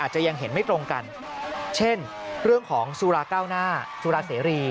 จะยังเห็นไม่ตรงกันเช่นเรื่องของสุราเก้าหน้าสุราเสรี